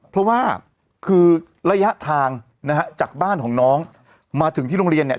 เพราะว่าคือระยะทางนะฮะจากบ้านของน้องมาถึงที่โรงเรียนเนี่ย